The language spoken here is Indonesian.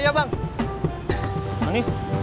terima kasih bang